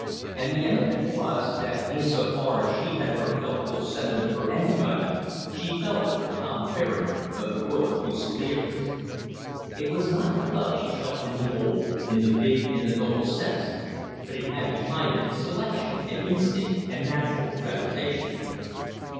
And the end of it was, that in so far as she had ever felt real sentiment for anybody, she felt it for Tom Fairing of the Royal Fusileers. It was not love she felt in the old, in the big, in the noble sense, but it had behind it selection and instinct and natural gravitation.